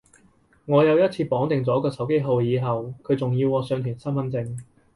我有一次綁定咗個手機號以後，佢仲要我上傳身份證